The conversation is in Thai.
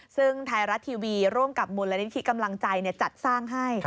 ซึ่งไทยรัฐทีวีร่วมกับมูลนิธิกำลังใจจัดสร้างให้